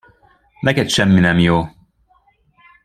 Neked semmi nem jó.